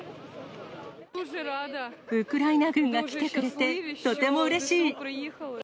ウクライナ軍が来てくれて、とてもうれしい。